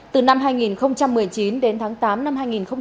từ năm hai nghìn một mươi chín đến tháng tám năm hai nghìn hai mươi